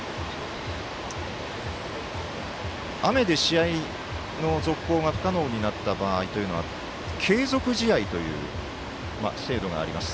雨で、試合の続行が不可能になった場合は継続試合という制度があります。